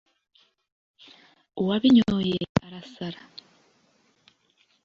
uwabinyoye arasara.